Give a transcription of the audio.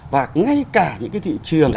và ngay cả những cái thị trường